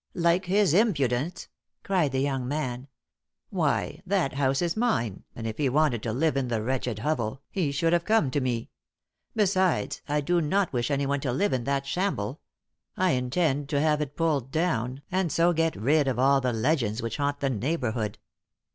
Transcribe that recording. "Like his impudence!" cried the young man. "Why, that house is mine, and if he wanted to live in the wretched hovel, he should have come to me. Besides, I do not wish anyone to live in that shamble. I intend to have it pulled down, and so get rid of all the legends which haunt the neighbourhood."